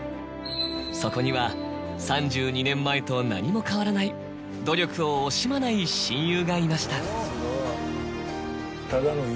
そこには３２年前と何も変わらない努力を惜しまない親友がいました。